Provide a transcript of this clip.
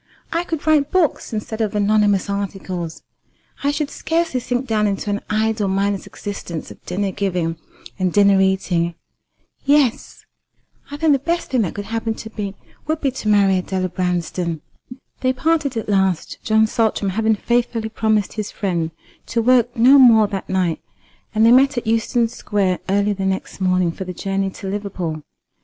I could write books instead of anonymous articles. I should scarcely sink down into an idle mindless existence of dinner giving and dinner eating. Yes, I think the best thing that could happen to me would be to marry Adela Branston." They parted at last, John Saltram having faithfully promised his friend to work no more that night, and they met at Euston Square early the next morning for the journey to Liverpool.